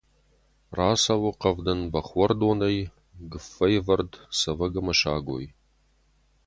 Рацӕуы Хъӕвдын бӕхуӕрдонӕй, гуыффӕйы ӕвӕрд — цӕвӕг ӕмӕ сагой.